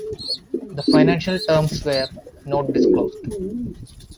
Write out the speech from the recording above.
The financial terms were not disclosed.